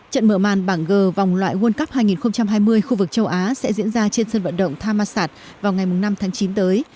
trận mở màn bảng g vòng loại world cup hai nghìn hai mươi khu vực châu á sẽ diễn ra trên sân vận động thamasat vào ngày năm tháng chín tới